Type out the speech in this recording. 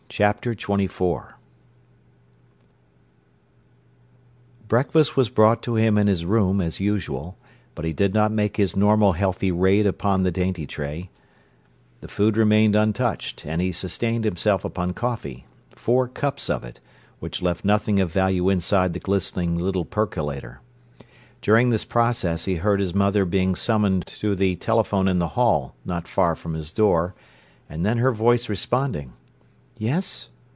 Chapter XXIV Breakfast was brought to him in his room, as usual; but he did not make his normal healthy raid upon the dainty tray: the food remained untouched, and he sustained himself upon coffee—four cups of it, which left nothing of value inside the glistening little percolator. During this process he heard his mother being summoned to the telephone in the hall, not far from his door, and then her voice responding: "Yes?